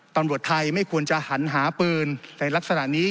ตำรวจไทยไม่ควรจะหันหาปืนในลักษณะนี้